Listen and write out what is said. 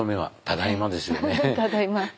ただいま。